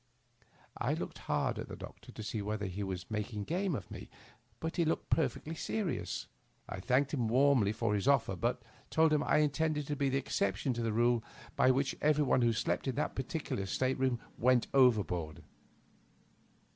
I looked hard at the doctor to see whether he was making game of me ; but he looked per fectly serious. I thanked him warmly for his offer, but told him I intended to be the exception to the rule by which every one who slept in that particular state room went overboard.